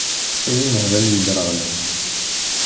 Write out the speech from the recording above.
Ay imehbal yedreɣlen!